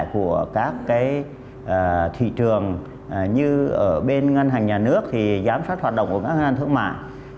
cái thị trường như ở bên ngân hàng nhà nước thì giám sát hoạt động của ngân hàng thương mại